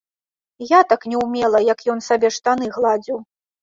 Я так не ўмела, як ён сабе штаны гладзіў.